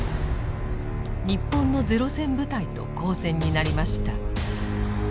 日本の零戦部隊と交戦になりました。